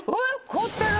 凍ってる。